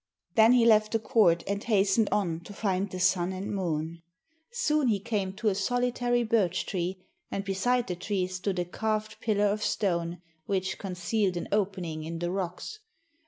Then he left the court and hastened on to find the Sun and Moon. Soon he came to a solitary birch tree, and beside the tree stood a carved pillar of stone, which concealed an opening in the rocks.